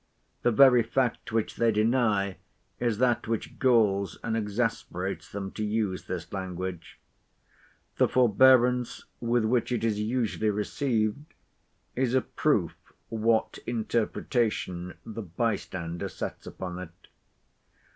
The very fact which they deny, is that which galls and exasperates them to use this language. The forbearance with which it is usually received, is a proof what interpretation the bystander sets upon it.